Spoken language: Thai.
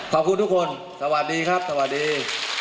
ขอบคุณทุกคนสวัสดีครับสวัสดี